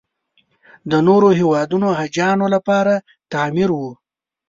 د نورو هېوادونو حاجیانو لپاره تعمیر و.